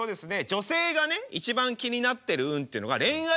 女性がね一番気になってる運っていうのが恋愛運。